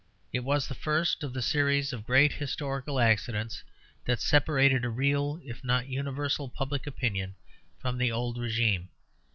It was the first of the series of great historical accidents that separated a real, if not universal, public opinion from the old régime.